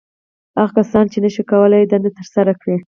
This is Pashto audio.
• هغه کسانو، چې نهشوی کولای دنده تر سره کړي.